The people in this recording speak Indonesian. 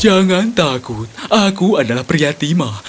jangan takut aku adalah pria timah